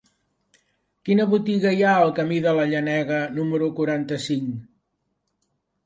Quina botiga hi ha al camí de la Llenega número quaranta-cinc?